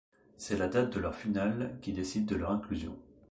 C'est la date de leur finale qui décide de leur inclusion.